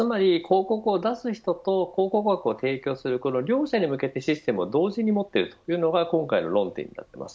つまり広告を出す人と広告枠を提供する両者に向けてサービスを同時に持っているのが今回の論点になっています。